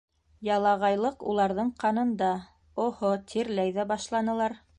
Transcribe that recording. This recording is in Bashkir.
Ялағайлыҡ уларҙың ҡаныңда....Оһо, тирләй ҙә башланылар!